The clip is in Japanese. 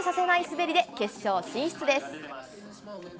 滑りで決勝進出です。